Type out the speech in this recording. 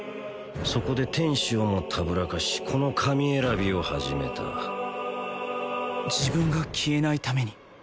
そこで天使をもたぶらかしこの神選びを始めた自分が消えないために？